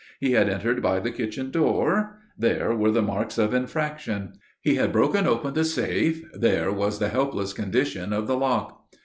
He had entered by the kitchen door there were the marks of infraction. He had broken open the safe there was the helpless condition of the lock.